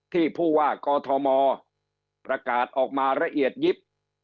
ผู้ว่ากอทมประกาศออกมาละเอียดยิบ